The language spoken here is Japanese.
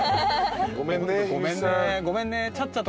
ごめんね。